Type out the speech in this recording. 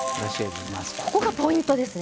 ここがポイントですね。